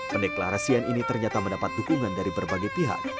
pendeklarasian ini ternyata mendapat dukungan dari berbagai pihak